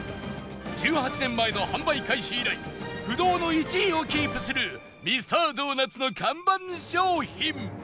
１８年前の販売開始以来不動の１位をキープするミスタードーナツの看板商品